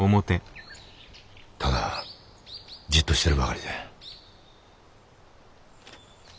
ただじっとしてるばかりで。